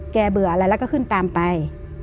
เบื่ออะไรแล้วก็ขึ้นตามไป